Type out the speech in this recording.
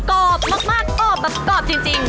กรอบมากกรอบจริง